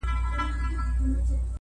چي مي پېغلوټي د کابل ستایلې-